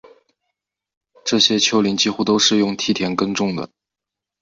这些丘陵几乎都是用梯田耕种